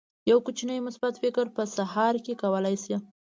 یو کوچنی مثبت فکر په سهار کې کولی شي.